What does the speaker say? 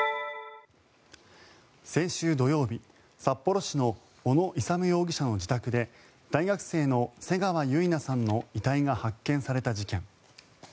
先週土曜日札幌市の小野勇容疑者の自宅で大学生の瀬川結菜さんの遺体が発見された事件。